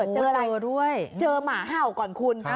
เจออะไรเจอหมาเห่าก่อนคุณ